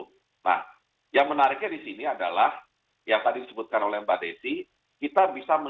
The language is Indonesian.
nah yang menariknya di sini adalah yang tadi disebutkan oleh mbak desi